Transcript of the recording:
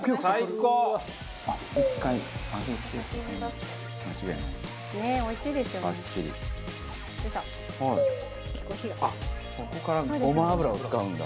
ここからごま油を使うんだ。